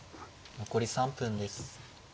残り３分です。